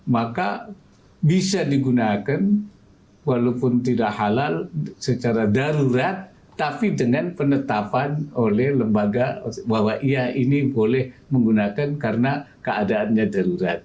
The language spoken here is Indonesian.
maka bisa digunakan walaupun tidak halal secara darurat tapi dengan penetapan oleh lembaga bahwa ia ini boleh menggunakan karena keadaannya darurat